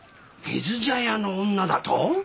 水茶屋の女だと？